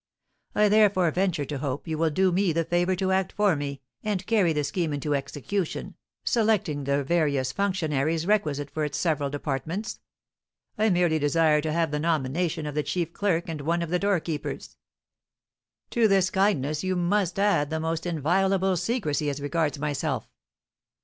I therefore venture to hope you will do me the favour to act for me, and carry the scheme into execution, selecting the various functionaries requisite for its several departments. I merely desire to have the nomination of the chief clerk and one of the doorkeepers. To this kindness you must add the most inviolable secrecy as regards myself."